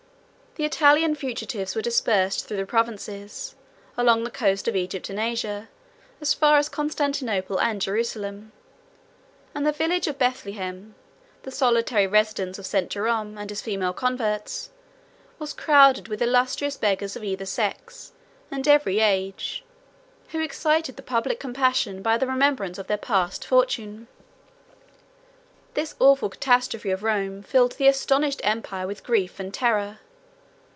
The Italian fugitives were dispersed through the provinces, along the coast of Egypt and Asia, as far as Constantinople and Jerusalem; and the village of Bethlem, the solitary residence of St. Jerom and his female converts, was crowded with illustrious beggars of either sex, and every age, who excited the public compassion by the remembrance of their past fortune. 114 This awful catastrophe of Rome filled the astonished empire with grief and terror.